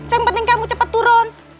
yang penting kamu cepat turun